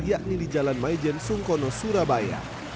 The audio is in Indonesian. yakni di jalan maijen sungkono surabaya